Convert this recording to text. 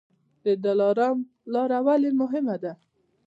دلارام لاره ولې مهمه ده؟